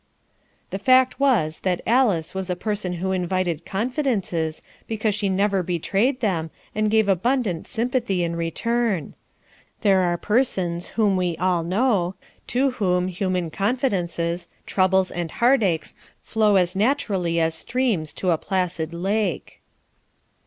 The fact was that Alice was a person who invited confidences, because she never betrayed them, and gave abundant sympathy in return. There are persons, whom we all know, to whom human confidences, troubles and heart aches flow as naturally as streams to a placid lake.